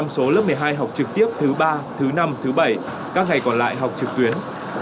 một mươi số lớp một mươi hai học trực tiếp thứ ba thứ năm thứ bảy các ngày còn lại học trực tuyến